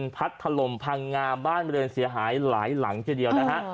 พัดถล่มพังงาบ้านบริเวณเสียหายหลายหลังทีเดียวนะฮะ